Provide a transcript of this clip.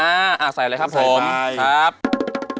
อ่าใส่เลยครับผมใส่ไป